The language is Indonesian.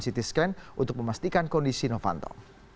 ct scan untuk memastikan kondisi novanto